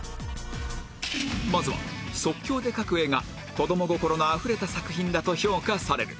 まずは即興で描く絵が子供心のあふれた作品だと評価される